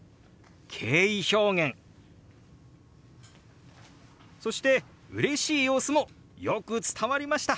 敬意表現そしてうれしい様子もよく伝わりました。